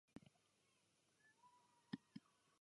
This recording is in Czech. Během zimy byly široce využívány výbušniny.